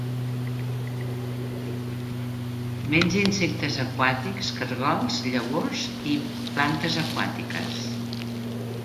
Menja insectes aquàtics, caragols, llavors i plantes aquàtiques.